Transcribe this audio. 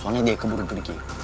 soalnya dia keburu keburu gitu